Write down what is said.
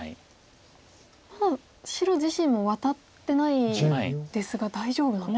まだ白自身もワタってないですが大丈夫なんですね。